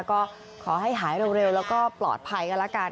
ก็ขอให้หายเร็วแล้วก็ปลอดภัยกันละกัน